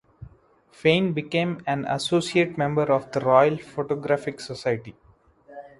Fein became an Associate Member of the Royal Photographic Society.